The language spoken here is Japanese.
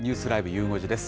ゆう５時です。